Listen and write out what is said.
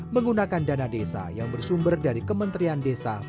menggunakan dana desa yang bersumber dari kementerian desa